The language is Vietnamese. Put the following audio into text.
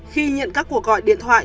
khi nhận các cuộc gọi điện thoại